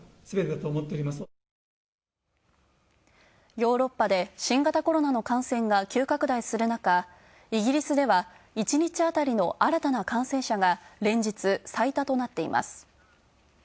ヨーロッパで新型コロナの感染が急拡大する中、イギリスでは１日あたりの新たな感染者が連日最多となっています。